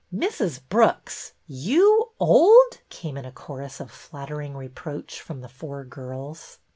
"Mrs. Brooks! You old!" came in a chorus of flattering reproach from the four girls.